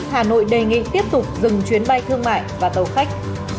hà nội đề nghị tiếp tục dừng chuyến bay thương mại và tàu khách